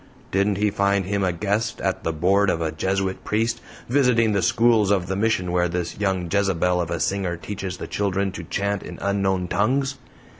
Didn't he find him a guest at the board of a Jesuit priest, visiting the schools of the Mission where this young Jezebel of a singer teaches the children to chant in unknown tongues?